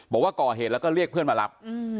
บอกว่าก่อเหตุแล้วก็เรียกเพื่อนมารับ